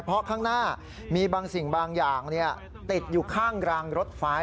เพราะข้างหน้ามีบางสิ่งบางอย่างติดอยู่ข้างรางรถไฟ